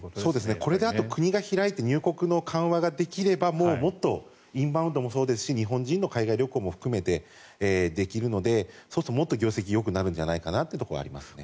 これで国が開いて入国の緩和ができればもうもっとインバウンドもそうですし日本人の海外旅行も含めてできるのでそうなれば、もっと業績がよくなるんじゃないかというのはありますね。